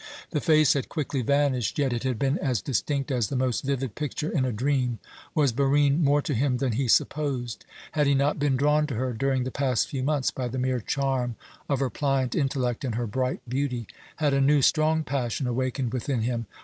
The face had quickly vanished, yet it had been as distinct as the most vivid picture in a dream. Was Barine more to him than he supposed? Had he not been drawn to her, during the past few months, by the mere charm of her pliant intellect and her bright beauty? Had a new, strong passion awakened within him?